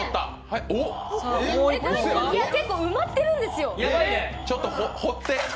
結構埋まってるんですよ。